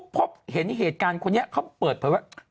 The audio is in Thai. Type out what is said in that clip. พบเห็นเหตุการณ์คนนี้เขาเปิดเผยว่า